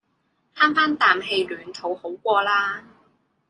慳番啖氣暖肚好過啦